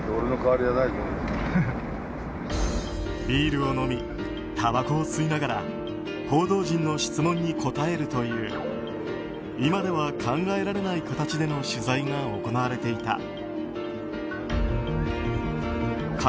ビールを飲みたばこを吸いながら報道陣の質問に答えるという今では考えられない形の取材が行われていた。